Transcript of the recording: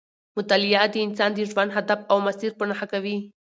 مطالعه د انسان د ژوند هدف او مسیر په نښه کوي.